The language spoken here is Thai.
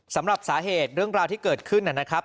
สำหรับสาเหตุเรื่องราวที่เกิดขึ้นนะครับ